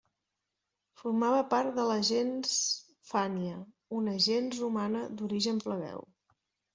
Formava part de la gens Fànnia, una gens romana d'origen plebeu.